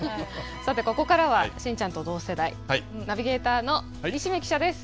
さてここからは信ちゃんと同世代ナビゲーターの西銘記者です。